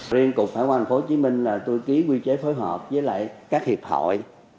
riêng cục hải quan tp hcm là tôi ký quy chế phối hợp với các hiệp hội